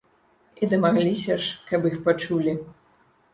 І дамагліся ж, каб іх пачулі!